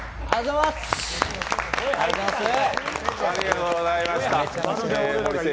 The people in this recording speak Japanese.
ありがとうございます。